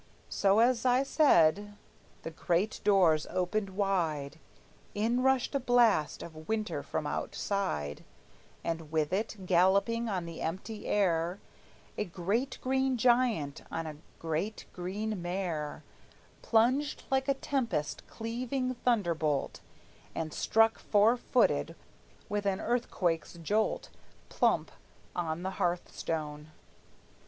So, as I said, the great doors opened wide. In rushed a blast of winter from outside, And with it, galloping on the empty air, A great green giant on a great green mare Plunged like a tempest cleaving thunderbolt, And struck four footed, with an earthquake's jolt, Plump on the hearthstone.